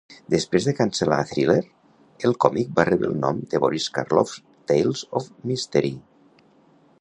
Després de cancel·lar "Thriller", el còmic va rebre el nom de "Boris Karloff's Tales of Mystery".